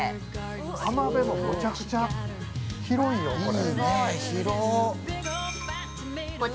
◆浜辺もむちゃくちゃ広いよこれ。